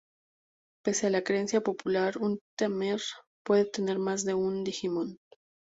Pese a la creencia popular, un tamer puede tener más de un Digimon.